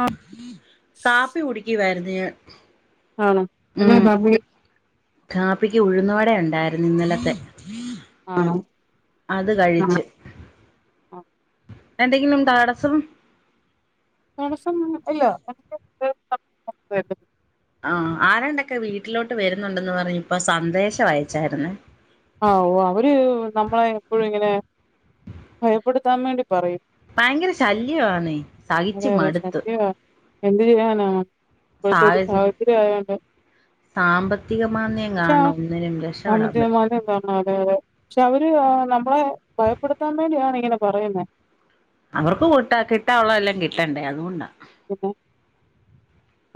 ആ കാപ്പി കുടിക്കുവാര്ന്ന് ഞാൻ. ആണോ എന്നാ ഉം കാപ്പി കാപ്പിക്ക് ഉഴുന്നു വടണ്ടായിരുന്നു ഇന്നലത്തെ. ആണോ അത് കഴിച്ച്. എന്തെങ്കിലും തടസ്സം. തടസ്സം ഇല്ല [unintelligible] ആഹ്‌ ആരാണ്ടൊക്കെ വീട്ടിലോട്ട് വരുന്നുണ്ടെന്ന് പറഞ്ഞിപ്പൊ സന്ദേശം അയച്ചായിര്ന്ന്. ആഹ്‌ ഓഹ് അവര് നമ്മളെ എപ്പോഴും ഇങ്ങനെ ഭയപ്പെടുത്താൻ വേണ്ടി പറയും. ഭയങ്കര ശല്യവാന്നെ സഹിച് അതെ അതെ മട്ത്ത്. ശല്യവാ എന്ത് ചെയ്യാന ഇപ്പോഴത്തെ ഒരു സാഹചര്യ ആയോണ്ട്. സാമ്പത്തിക മാന്ദ്യം കാണ്ണം ഒന്നിനും രക്ഷപ്പെടാൻ പറ്റ തന്നെ അതെ അതെ പക്ഷെ അവര് അഹ് നമ്മളെ ഭയപ്പെടുത്താൻ വേണ്ടിയാണ് ഇങ്ങനെ പറയുന്ന അവർക്ക് കൂട്ട കിട്ടാവുള്ളതെല്ലാം കിട്ടണ്ടേ അതുകൊണ്ടാ. പിന്നെ,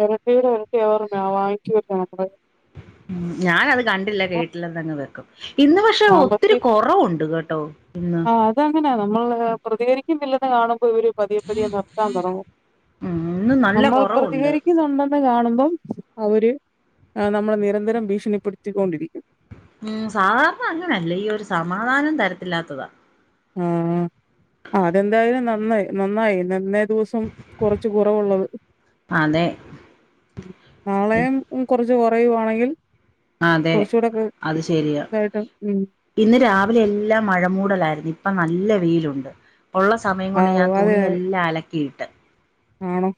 ഇരട്ടീടെ ഇരട്ടിയാന്ന് പറഞ്ഞ വാങ്ങിക്കോലൊ നമ്മള് ഉം ഞാനത് കണ്ടില്ല കേട്ടില്ലെന്നങ്ങ് വെക്കും. ഇന്ന് പക്ഷെ ഒത്തിരി സാമ്പത്തി കൊറവുണ്ട് കേട്ടോ ഇന്ന്. ഇതങ്ങനെ നമ്മൾ പ്രതികരിക്കുന്നില്ലെന്ന് കാണുമ്പോൾ ഇവര്. പതിയെ പതിയ നിർത്താൻ തുടങ്ങും ഉം ഇന്ന് നല്ല നമ്മൾ കൊറവുണ്ട് പ്രതികരിക്കുന്നുണ്ടെ ന്ന് കാണുമ്പം അവര് നമ്മളെ നിരന്തരം ഭീഷണിപ്പെടുത്തിക്കൊണ്ടിരിക്കും. ഉം സാധാരണ അങ്ങനെയല്ല ഈ ഒരു സമാധാനം തരത്തില്ലാത്തതാ. ആഹ്‌ ആഹ് അതെന്തായാലും നന്നായി നന്നായി നന്നേ ദിവസം. അം കൊർച്ച് കുറവുള്ളത്. അതെ നാളേം ഉം കൊർച്ച് കൊറയുവാണെങ്കിൽ. അതെ കൊർചൂടൊക്കെ അത് ശരിയാ ഇതായിട്ട് ഉം. ഇന്ന് രാവിലെ എല്ലാം മഴമൂടലായിരുന്നു ഇപ്പ നല്ല വെയിലുണ്ട്. ഒള്ള സമയം കൊണ്ട് ആഹ് ഞാൻ തുണിയെല്ലാം അലക്കി. ആണ്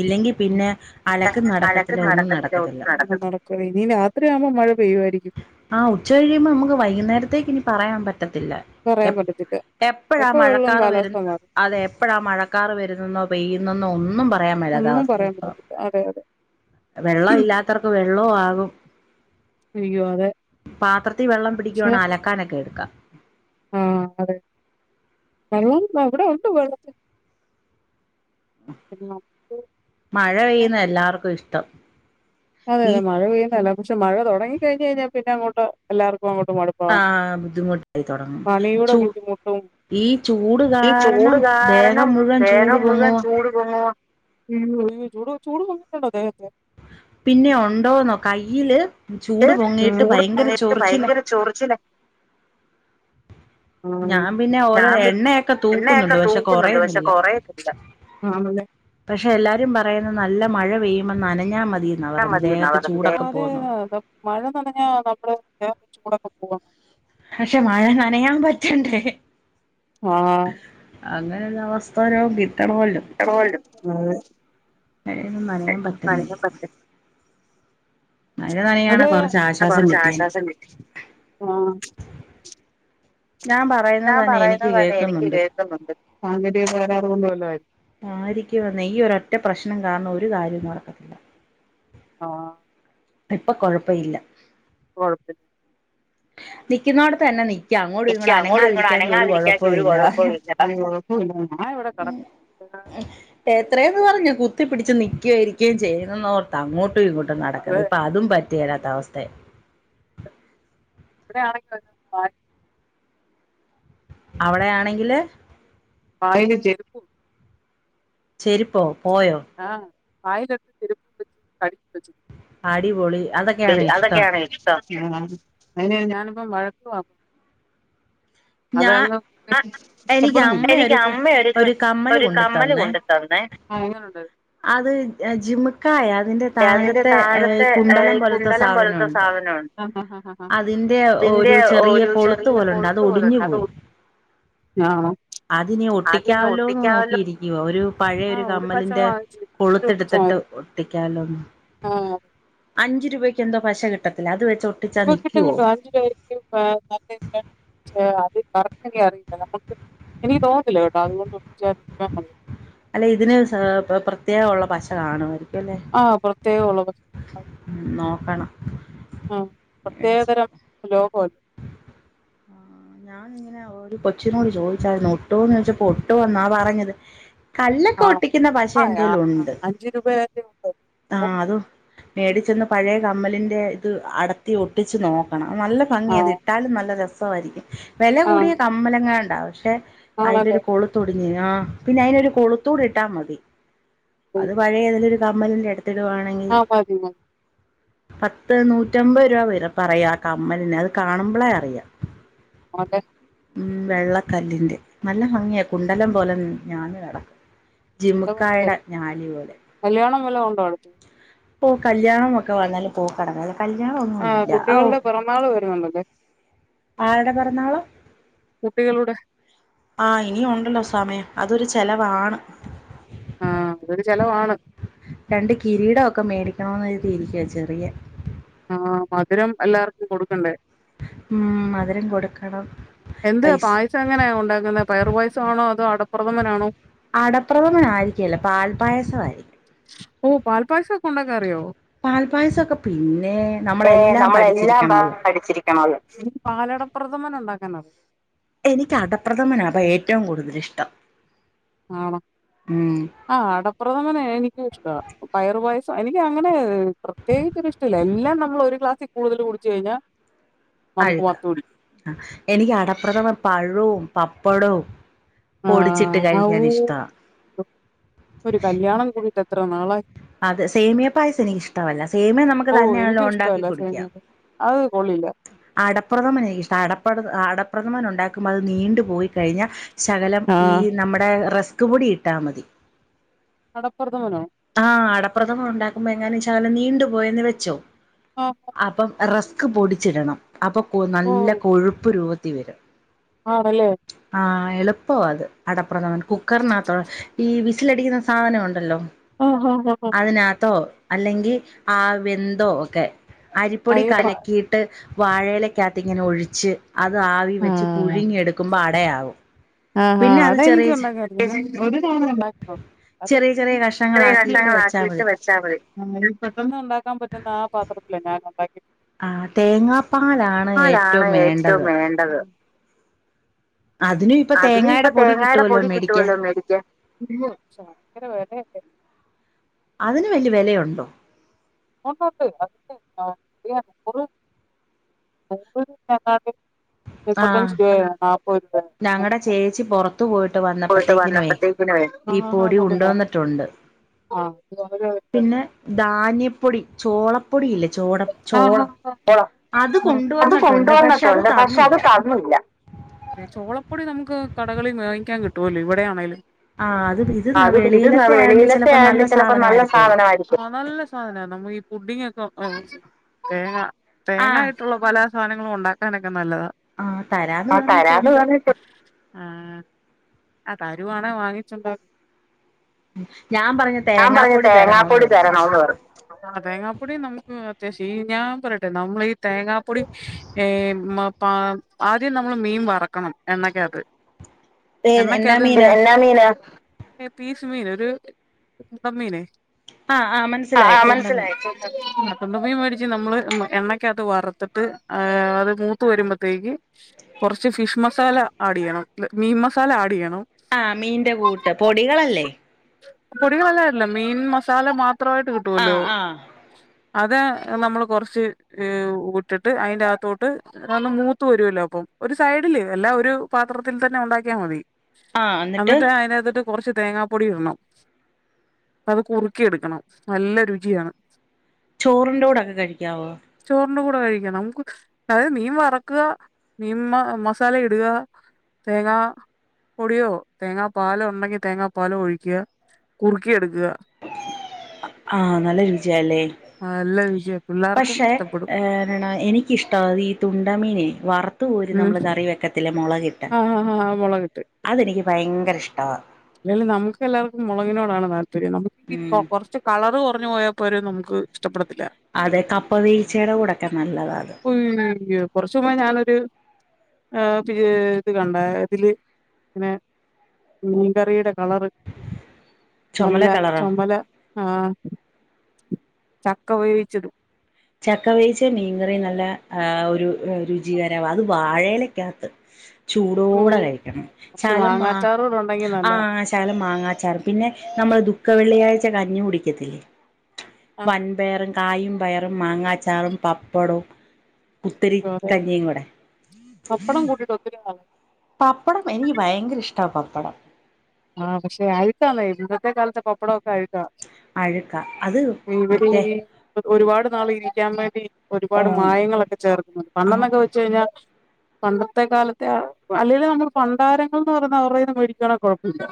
ഇല്ലെങ്കി പിന്നെ അലക്കും അലക്ക് നടക്കത്തില്ല ഒന്നും നടക്കത്തില്ല ഒന്നും നടക് കു ഇനിയും രാത്രി ആവുമ്പോ മഴ പെയ്യുവായിരിക്കും ആഹ് ഉച്ച കഴിയുമ്പോ നമുക്ക് വൈകുന്നേരത്തേക്ക് ഇനി പറയാൻ പറ്റത്തില്ല പറയാൻ എപ് പറ്റത്തില്ല. എപ്പഴാ എപ്പ വെള്ളം മഴക്കാർ വരു കാലാവസ്ഥ മാറും അതെ എപ്പഴാ മഴക്കാർ വരുന്നെന്നോ പെയ്യുന്നെന്നോ ഒന്നും പറ റയാൻ മേലാത്ത ഒന്നും അവസ്ഥ പറയാൻ ഇപ്പൊ പറ്റത്തില്ല. അതെ അതെ വെള്ളം ഇല്ലാത്തർക്ക് വെള്ളവും ആകും. അയ്യോ അതെ പാത്രത്തിൽ വെള്ളം പക്ഷെ പിടിക്കുവാണെ അലക്കാനൊക്കെ എടുക്കാ. ആഹ് അതെ വെള്ളം വിടെ ഉണ്ട് വെള്ള പിന്നെ മഴ പെയ്യുന്ന എല്ലാവർക്കും ഇഷ്ടം ഈ അതെത മഴെപെയ്യുന്ന ല്ലാർകു പക്ഷെ മഴ തൊടങ്ങി കഴിഞ്ഴിഞ്ഞാ പിന്നെ അങ്ങോട്ട് എല്ലർക്കുംങ്ങോട്ട് മട് ആ പ്പം ബുദ്ധിമുട്ടായി തുടങ്ങും പണിയുടെ ചൂ ബുദ്ധിമുട്ടും ഈ ചൂട് ഈ കാരണം ചൂട് ദേഹം കാരണം മുഴുവൻ ചൂട് ദേഹം മുഴുവൻ പൊങ്ങുവ ചൂട് ആഹ്. [unintelligible] ചൂട് ചൂടുപൊള്ളിക്കണ്ട ദേഹത്ത്. പിന്നെ ഉണ്ടോന്നോ കയ്യില് ചൂട് പൊങ്ങിയിട്ട് ഭയങ്കര ചൊറിച്ചിലാ ചോറിച്ചിലാ ഉം ഞാൻ പിന്നെ ഓരോ ഞാൻ പി എണ്ണയൊക്കെ എണ്ണയൊക്കെ തൂക്കുന്നുണ്ട് പക്ഷെ തൂക്കുന്നുണ്ട് പക്ഷെ കുറയുന്നില്ല കൊറയത്തില്ല. ആണല്ലെ പക്ഷെ എല്ലാരും പറയുന്ന നല്ല മഴ പെയ്യുമ്പം നനഞ്ഞാ മതി [unintelligible] പക്ഷെ മഴ നനയാൻ പറ്റണ്ടേ? ആഹ് അങ്ങനെയുള്ള അവസ്ഥര കിട്ടണല്ലോ? അ [unintelligible] [unintelligible] ന്നനയാൻ പറ്റുന്നില്ല പറ്റും മഴ അത നനയാണെ കുറച്ച് ആശ്വാസം കൊറച്ച് കിട്ടിയേനെ ആശ്വാസം കിട്ടി ആ ഞാൻ പറയുന്നതന്നെ എനിക്ക് കേക്കുന്നുണ്ട്. ണ്ട് സാങ്കേതിക തകരാറ കൊണ്ട വല്ലരിക്കും ആയിരിക്കും ന്നേ ഈ ഒറ്റ പ്രശ്നം കാരണം ഒരു കാര്യം നടക്കത്തില്ല. ആഹ് ഇപ്പൊ കൊഴപ്പ ഇല്ല കൊത്തി [inaudible] നിക്കുന്നതോടെ തന്നെ നീക്ക അങ്ങോടും എനിക്ക് ഇങ്ങോട്ട അങ്ങോട്ടും ഇങ്ങോട്ടും അനങ്ങാതിരിക്കാൻ ഒരു അനങ്ങാതിരിക്കാത്ത ഒരു കൊഴപ്പംല്ല കുഴപ്പവും ഇല്ല അത് കുഴപ്പമില്ല ഞാൻ ഇവിടെ കിടക്കും എത്രയന്ന് പറഞ്ഞ കുത്തി പിടിച്ച് നിക്കുവയിരിക്കയും ചെയ്യുന്ന ഓർ അങ്ങോട്ടും ഇങ്ങോട്ടും നടക്കുന്നത് ഇപ്പൊ അതും പറ്റില്ലാത്ത അവസ്ഥയ എവിടെ ആണെങ്ക [unintelligible] അവിടെയാണെങ്കില് വായിൽ ചെര്പ്പ് ചെരിപ്പോ പോയോ? ആഹ് [unintelligible] [unintelligible] ആടിപോളി അതക്ക അതൊക്കെയാണ് ഇഷ്ടം അയൻ ഞാനിപ്പ വഴക്കവാ അത് ഞാൻ എനിക്ക് കൊണ്ട് അമ്മ എനിക്ക് ഒരു അമ്മ എടുക്ക ഒരു കമ്മല് ഒരു കൊണ്ട് കമ്മല് തന്നേ കൊണ്ട് തന്നെ എങ്ങനുണ്ട് അത് ജിമക്കായ അതിന്റെ താഴത്തെ കുണ്ടലം പോലെ കുണ്ഡലം പോലെത്തെ സാധനോ അഹ് ആഹ് അതിന്റെ ഇതിന്റെ ഒരു ചെറിയ ഒരു കൊളുത്ത് ചെറിയ പോലുണ്ട് അത് പൊളുത്ത് ഒടിഞ്ഞു പോലെണ്ട് അതടു ആഹ് അത് ഇനി ഒട്ടിക്കാവല്ലോന്ന് നോക്കിയിരിക്കുവ ഒരു പഴയൊരു ആഹ് ഒരു പശ കമ്മലിന്റെ വാങ്ങിച്ച് അത് ഒട്ടിച്ചാ കുളുത്തിടുത്തിട്ട് മതി ഒട്ടിക്കാലോന്ന ആഹ് അഞ്ച് രൂപയ്ക്കന്തോ പശ കിട്ടത്തില്ല അത് വെച്ച ഇപ്പൊ കിട്ടും കിട്ടും അഞ്ചുപക്ക [unintelligible] എനിക്ക് തോന്നുന്നല്ല കേട്ടോ അതുകൊണ്ട് ഒിച്ച അല്ലെ ഇതിന് പ്രത്യേക ഉള്ള പശ കാണുമായിരിക്കും അല്ലെ ആഹ് പ്രത്യേകേ ഉള്ളൂ നോക്കണം ഉം മേടിച്ച് പ്രത്യേകതരം ലോകല്ലേ ഞാാനിങ്ങനെ ഒരു കൊച്ചിനോട് ചോദിച്ചായിരുന്നു ഒട്ടുന്ന് ചോദിച്ചപ്പോ ഒട്ടുവന്നാ പറഞ്ഞത് കല്ലൊക്കെ ആണോ ഒട്ടിക്കുന്ന പശ ആഹ് ആഹ് എന്റെലുംണ്ട് അഞ്ച് രൂപയല്ലേ ഉള്ളൂ ആഹ് അത് മേടിച്ചെന്ന് പഴയ കമ്മലിന്റെ ഇത് അടത്തി ഒട്ടിച്ചച്ച് നോക്ക നല്ല ഭംഗി അത് ആഹ് ഇട്ടാലും നല്ല രസമായിരിക്കും വില ആഹ് കൂടിയ കമ്മലങ്ങണ്ടാവും പക്ഷെ അയിന്റെ ഒരു ആണല്ലേ കൊളുത്തൂടിഞ്ഞ ആ പിന്നെ അയിന്രു കൊളുത്തൂടി ഇട്ടാ മതി അത് പഴയ ഏതെലും ഒരു കമ്മലിന്റെ എടുത്തുടുക ആണെങ്കിൽ ആഹ് മതി മതി പത്ത് നൂറ്റമ്പത് രൂപ വരപ്പ പറയാ കമ്മലിനെ അത് കാണുമ്പോളേ അറിയാം അതെ ഉം വെള്ളക്കല്ലിന്റെ നല്ല ഭംഗിയ കുണ്ടലം പോലെ ഞാന് കടക്കും നല്ല ജിമക്കാടെ ഭംഗിയായിരിക്കും ഞാനി പോലെ കല്യാണം വല്ല കൊണ്ടോ അടുത്തത് ഓഹ് കല്ല്യാണം ഒക്കെ വന്നാല പോ കടങ്ങല്ല കല്യാണന്നും ഇല്ലഓഹ് നളെ വരു വല്ലത് ആരുടെ പറന്നാളോ കുട്ടികളുടെ ആഹ് ഇനിയണ്ടല്ലോ സമയം അതൊരു ചെലവാണ് ആഹ് അതരു ചെലവാണ് രണ്ട് കിരീടംഒക്കെ മേടിക്കണന്ന് കര്തിയിരിക്ക ചെറിയ ആഹ് മധുരം എല്ലാർക്കും കൊടുക്കണ്ടേ ഉം മധുരം കൊ ട്ക്കണം എന്ത് പായസം എങ്ങനെയാ ഉണ്ടാക്കുന്നത് പയർ പായസമാണോ അതോ അടപ്രദമ്മനാണോ അടപ്രദമന ആയിരിക്കെല പാൽ പായസം ആയിരിക്കും ഓ പാൽ പായസം ഒക്കെ ഉണ്ടാക്കാ അറിയോ പാൽപ്പായസൊക്കെ പിന്നെ ഏ നമ്മളെല്ലാം നമ്മളെല്ലാം പഠിച്ചിരിക്കണല്ലോ പഠിച്ചിരിക്കണള്ള പാലട പ്രഥമന ഉണ്ടാക്കാനത് എനിക്ക് അടപ്രഥമനാഭം ഏറ്റവും കൂടുതൽ ഇഷ്ടം ആണ് ഉം ആഹ് അടപ്രഥമന എനിക്കും ഇഷ്ട പയറു പായസം എനിക്ക് അങ്ങനെ പ്രത്യേകിച്ച ഒരു ഇഷ്ടല്ല എല്ലാം നമ്മൾ ഒരു ക്ലാസ്സിൽ കടുതൽ കുടിച്ചു കയിഞ്ഞ അഴുക്ക ആ എനിക്ക് അടപ്രഥമ പഴവും പപ്പടവും പൊടിച്ചിട്ട് ആഹ് കഴിക്കൻ ആവൂ ഇഷ്ട ഒരു കല്ല്യാണം കൂടിട്ട് എത്ര നാളായി അത് സേമിയ പായസം എനിക്ക് ഇഷ്ടമല്ല സേമിയ നമക്ക് ഓ തന്നെയാണല്ലോ എനിക്കും ഉണ്ടാക്കി ഇഷ്ടമല്ല സേമിയ കുടിക്കാം അത് കൊള്ളില്ല അടപ്രഥമന ഇഷ്ട അട അടപ്രഥമൻ ഉണ്ടാക്കുമ്പോൾ അത് നീണ്ടു പോയി കഴിഞ്ഞാൽ ശകലം ഈ ആഹ് നമ്മുടെ റെസ്ക് കൂടി ഇട്ടാൽ മതി അടപ്രദമനോ ആഹ് അടപ്രഥമം ഉണ്ടാക്കുമ്പോ എങ്ങനാ ചാലം നീണ്ടു പോയന്ന് വെച്ചോ ആ അപ്പം റസ്ക് പൊടിച്ചിടണം അപ്പൊ കൊ ഓ നല്ല കൊഴുപ്പ് രൂപത്തി വരും ആണല്ലേ ആഹ എളുപ്പം അത് അടപ്പുറം നമ്മ കുക്കറിനകത്തോളം ഈ വിസിലടിക്കുന്ന സാധനം ഉണ്ടല്ലോ ആഹ് ഹ ഹാ. അയിനാത്തോ അല്ലെങ്കി ആ വെന്തോ ഒക്കെ അരിപ്പൊടി അയ്യോ പ കലക്കി ഇട്ട് വാഴയിലക്കാത്ത് ഇങ്ങനെ ഒഴിച്ച് അത് ആവി വെച്ച് പുഴുങ്ങിയെടുക്കുമ്പോ അടയാവും. ആഹഹ പിന്നെ അത് ചെറിയ അതെനിക്ക് ഉണ്ടാക്ക ഒരുണ്ടാക്ക അത് ചെറിയ ചെറിയ കഷ്ണങ്ങളാക്കിയിട്ട് വെച്ചാൽ മതി [inaudible] പെട്ടന്ന് ഒണ്ടാക്കാൻ പറ്റുന്ന ആ പാത്രത്തില ഞാൻ ഉണ്ടാക്ക. ആഹ് തേങ്ങാപ്പാലാണ് ഏറ്റും വേണ്ടത്. അതെ അതിന് അതിന് ഇപ്പതേങ്ങായിടെ പൊടി കിട്ടുവല്ലോ മേടിക്കാൻ ഭായങ്കര വേലലെ. അതിന് വല്യ വെലയുണ്ടോ. ഉണ്ട് ഉണ്ട് [unintelligible] [inaudible] മുപ്പത്തഞ്ച് രൂപയാ നാല്പ്പത് രൂപയ. ഞങ്ങടെ ചേച്ചി പൊറ ത്തു പോയിട്ട് പോയിട്ട് വന്നപ്പത്തേക്കിനെ വന്നപ്പത്തേക്കിനുവേ ഈ പൊടി കുണ്ടോന്നുട്ടുണ്ട്. ആഹ അത് [inaudible] ധാന്യപ്പൊടി ചോളപ്പൊടി ഇല്ലേ ചോള. ചോളം ആഹഹാ അത് അത് കൊണ്ടുവന്നിട്ടുണ്ട് പക്ഷെ അത് കൊണ്ടുവന്നൂട്ടുണ്ട് പക്ഷെ അത്. തന്നില്ല ന്നില്ല ചോളപ്പൊടി നമുക്ക് കടകളിൽ മാങ്ങിക്കാൻ കിട്ടുമല്ലോ ഇവിടെ ആണെലും. ആ അത് ഇത് അത് ഇത് വെളിയിലത്തെ ആയോണ്ട് വെളിയിലത്തെ ചിലപ്പോ ആയണ്ട് നല്ല ചെലപ്പോ നല്ല സാധനമായിരിക്കുമല്ലോ സാധനമായിരിക്കലൊ ആ നല്ല. സാധന നമുക്ക് ഈ പുഡിങ്ങൊക്കെ തേങ്ങ ആ തേങ്ങായിട്ടുളെ. പല സാനങ്ങളൊണ്ടാക്കാനൊക്കെ നല്ലതാ ആ തരാന്ന് ആ തെരാന്ന് പറഞ്ഞിട്ടുണ്ട് പറഞ്ഞി. ആഹ് അ തരുവാണെ വാങ്ങിചൊണ്ട്‌. ഞാൻ പറഞ്ഞു ഞാൻ പറയ തേങ്ങാപ്പൊടി തരണോന്ന് തേങ്ങാപ്പൊടി പറഞ്ഞു തെരണോന്ന് പർഞ്. ആ തേങ്ങാപ്പൊടി നമുക്ക് അത്യാശ്യം ഈ ഞാൻ പറട്ടെ നമ്മളീ തേങ്ങാപ്പൊടി. ഏ മ പ ആദ്യം നമ്മൾ മീൻ വറക്കണം എണ്ണക്ക്യാത്. ഏ എന്നാ എണക്ക്യാത് മീനാ ആ ആ ആആ മനസ്സിലായി തുണ്ടമീൻ മനസിലായി. ചന്തമ മേടിച്ച് നമ്മള് എണ്ണക്കാത്ത് വറുത്തിട്ട് അത് മൂത്ത് വരുമ്പത്തേക്ക്. കൊറച്ച് ഫിഷ് മസാല ആഡ്യ്യണം മീൻ മസാല ആഡ്യ്യണം. ആഹ് മീന്റെ കൂട്ട് പൊടികളല്ലേ. പൊടികളെലാഅല്ല മീൻ മസാല മാത്രമായിട്ട് കിട്ട്. ആഹ് ആഹ്. അത് നമ്മൾ കൊറച്ച് വിട്ടിട്ട് അയിന്റാത്തോട്ട്. ഒന്ന് മൂത്ത് വരുവല്ലോ അപ്പം ഒരു സൈഡില് എല്ലാ ഒരു പാത്രത്തിലന്നെ ഒണ്ടാക്കിയാൽ മതി. എന്നിട്ട് അയിനാതിട്ട് കൊറച്ച് തേങ്ങാപ്പൊടി ഇടണം അത് കുറുക്കി എടുക്കണം നല്ല രുചിയാണ്. ചോറുന്റടൊക്കെ കഴിക്കാവോ. ചോറിന്റെ കൂടെ കഴിക്കണം അത് മീൻ വറക്ക മീൻ മ മസാല ഇടുക. തേങ്ങ. പൊടിയോ തേങ്ങാ പാലോ ഉണ്ടെങ്കി തേങ്ങാ പാലോ ഒഴിക്ക കുറുക്കിയെടുക്ക. ആഹ് നല്ല രുചിയാല്ലേ. നല്ല രുചിയ പിള്ളേർക്കും പക്ഷെ ഇഷ്ടപ്പെടും എന്താ എനിക്കിഷ്ടത് ഈ തുണ്ടമീനെ വർ ത്തുരി ഉം നമ്മള് കറി വെക്കത്തില്ല മൊളകിട്ട് ആ ആ ആ മുളകിട്ട് അതെനിക്ക് ഭയങ്കര ഇഷ്ടവാ അലേലും നമുക്ക് എല്ലാവർക്കും മുളകിനോടാണ് താല്പര്യം നമുക്ക് ഈ ഉം കൊറച്ച്. കളർ കൊറഞ് പോയാൽപ്പോരും നമുക്ക് ഇഷ്ടപ്പെടത്തില്ല. അതെ കപ്പ വേവിചേടെ കൂടെക്കെ നല്ലതാ അത്. ഒയോ കുറച്ചുമുമ്പേ ഞാനൊരു. ആ പിന്നെ ഇത് കണ്ട ഇതില് ഇങ്ങനെ. കറിയിടെ കളർ ചുമല നല്ല കളറാ ചൊമല ആഹ് ചക്ക വേവിചതും. ചക്ക വേച്ച് മീൻകറി നല്ല ഒരു രുചികരവാ അത് വാഴയിലക്കകത്ത് ചൂടോടെ ഉം കഴിക്കണം കുറച്ച് ചാലമാ മാങ്ങാച്ചാറൂടെ ഉണ്ടെങ്കി ആ നല്ലതാ ശകലം മാങ്ങാച്ചാറ് പിന്നെ നമ്മൾ ദുഖ ള്ളിയാഴ്ച്ച കഞ്ഞി കുടിക്കത്തില്ലേ വൻപയറും കായും പയറും മാങ്ങാച്ചാറും പപ്പടവും കുത്തരി ആഹ് അതെ കഞ്ഞിയും കൂടെ പപ്പടം കൂട്ടീട്ട് ഒത്തിരി നാളാണ് പപ്പടം എനിക്ക് ഭയങ്കര ഇഷ്ടണ് പപ്പടം ആഹ് പക്ഷെ അഴക്കാന്ന ഇന്നത്തെ കാലത്തെ പപ്പടവോക്കെ അഴക്കാ അഴുക്ക അത് ഇവര് മറ്റേ ഒരുപാട് നാൾ ഇരിക്കാൻ വേണ്ടി ഒരുപാട് മായങ്ങളൊക്കെ ചേർക്കുന്നത് പണ്ടെന്നൊക്കെ വെച്ച കഴിഞ്ഞാ പണ്ടത്തെ കാലത്തെ അല്ലെങ്കി നമ്മൾ ഭണ്ടാരങ്ങൾ എന്ന് പറയ അവരുടെന്ന് മരിക്കണ കുഴപ്പം ഉ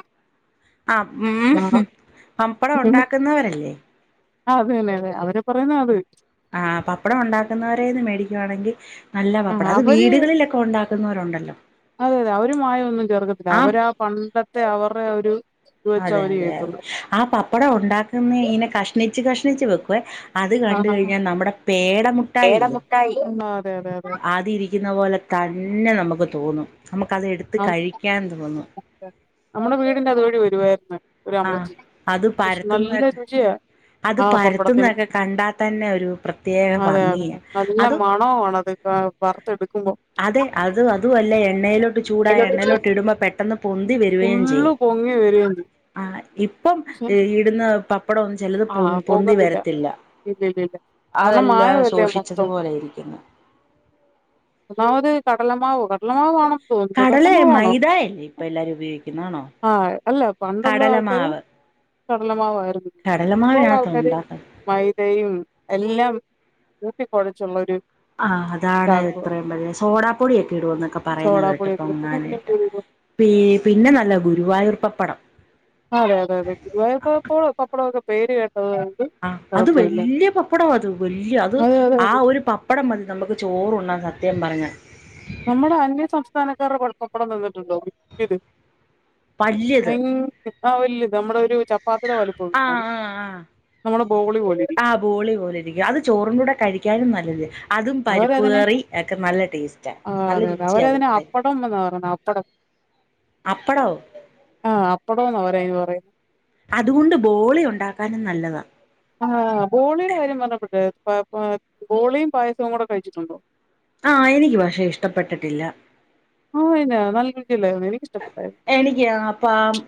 ആ ഉ പമ്പടം ഉണ്ടാക്കുന്നവരല്ലേ അത തന്നെ അതെ അവരെ പറയുന്ന അത് ആ പപ്പടം ഉണ്ടാക്കുന്നവരന്ന് മേടിക്കുവാണെങ്കി നല്ല ആഹ് പപ്പടം അത് അവര് വീടുകളിലൊക്കെ ഇപ്പോ ഉണ്ടാക്കുന്നവരുണ്ടല്ലോ അതെ അതെ അവരു മമായ ഒന്നും ചേർക്കത്തില്ല അവര് ആ പണ്ടത്തെ അവരുടെ അവ ഒരു വച്ച് അതെ അവര് അതെ അതെ ചെയ്ട്ടണ്ട് ആ പപ്പടം ഉണ്ടാക്കുന്ന ഇനെ കഷ്ണിച് കഷ്ണിച്ചു വെക്കുവേ അത് കണ്ട ആഹ് കഴിഞ്ഞാ നമ്മുടെ പേട മുട്ടായില്ല ട്ടായി ആദ്യ ഇരിക്കുന്ന പോലെ തന്നെ നമുക്ക് തോന്നും നമുക്കത് എടുത്ത് കഴിക്കാൻ തോന്നും നമ്മുടെ വീടിന്റെ അതുവഴി വരുവായിരുന്നു ഒരു ആ അമ്മച്ചി അത് പക്ഷെ നല്ല പരത്തുന്നതൊക്കെ രുചിയാ അത് ആഹ് പപ്പടത്തിന് പരത്തുന്നതൊക്കെ കണ്ടാൽ തന്നെ ഒരു പ്രത്യേക അതെഅ ഭംഗിയാ നല്ല അത് മണ ആണത് എന്താ. വാർത്തെടുക്കുമ്പൊ അതെ അതു അതുഅല്ല എണ്ണയിലോട്ട് ചൂടായ എണ്ണയിലോട്ട് ഇടുമ്പോ പെട്ടെന്ന് പൊന്തി വരും. ഫുള്ളു പൊങ്ങി വരിയേന്തി. ആഹ് ഇപ്പം ഇ ഇടുന്ന പ പ്പടം ചെലത് ആഹ് പൊന് പൊന്തി പൊങ്ങത്തില്ല വരത്തില്ല. ഇല്ലില്ലില്ല. കാരണം അതെല്ലാ മായമല്ലേ മൊത്തം. ശോഷിച്ചതുപോലെ ഇരിക്ക്യുന്നെ. ഒന്നാമത് കടലമാവ് കടലമാവ് വാണം. കടലെ മൈദല്ലേ ഇപ്പ എല്ലാരും ഉപയോഗിക്കുന്നാണോ. ആഹ് അല്ല പണ്ടുള്ള ആൾക്കാര് കടലമാവമായിരുന്നു. ഇപ്പോള്ള കടലമാവിനകത്ത ആൾക്കാര് ഉണ്ടാക്കുന്നത് മൈദയും എല്ലാം ഊട്ടിക്കൊഴച്ചുള്ളൊരു. ആഹ് അതാണ് ഇത്രയും വലിയ സോഡാ പൊടിയൊക്കെ ഇടൂ ന്നൊക്കെ പറയുന്നത് കേട്ട് സോഡാപ്പൊടിയൊക്കെ ഇടും. പിന്നെ പൊങ്ങാനായിട്ട്. എങ്ങനെയൊക്കെയോ പീ പിന്നെ നല്ല ഗുരുവായൂർ പപ്പടം. അതെ അതെ അതെ ഗുരുവായപ്പോ പപ്പടമൊക്കെ പേര് കേട്ടത്ണ്ട്. അ അത് വല്ല്യ പപ്പടം അത് വല്ല്യ അത് അതെ അതെ ആ അതെ. ഒരു പ പ്പടം മതി നമുക്ക് ചോറുണ്ണാൻ സത്യം പറഞ്ഞ. നമ്മുടെ അന്യസംസ്ഥാനക്കാര്ടെ പട പപ്പട തിന്നിട്ടുണ്ടോ. ഇത് വല്യത് അയ്ൻ ആ വല്യത് നമ്മടെ ഒരു ച പ്പാത്തിട ആ വലുപ്പാണ് ആ ആ നമ്മുടെ ബോളി പോലിരി ആ ബോളി പോലെരിക്ക്യും അത് ചോറിന്റെ കൂടെ കഴിക്ക്യാനും നല്ലത്. അതും പരിപ്പ് അവരതിനെ കറി എക്കെ നല്ല ടേസ്റ്റാ ആഹ് നല്ല അതെ അതെ രുചിയ ത് അവരതിന് പ അപ്പടം എന്നാ പറയുന്നെ അപ്പടം അപ്പടോ. ആഹ് അപ്പടോന്ന് അവരയ്ന് പറയ. അതുകൊണ്ട് ബോളി ഉണ്ടാക്കാനും നല്ലതാ. ആഹ് ബോളിടെ കാര്യം പർഞ്ഞപ്പെട്ടേ പ അ ബോളിയും പായസവും കൂടെ കഴിച്ചിട്ടുണ്ടോ. ആഹ് എനിക്ക് പക്ഷെ ഇഷ്ടപ്പെട്ടിട്ടില്ല. ആഹ് ഇന്നാ നല്ല രുചയില്ലായിരുന്നു എനിക്കിഷ്ടപ്പെട്ടായിര്ന്നു. എനിക്ക്യാ അപ്പാം.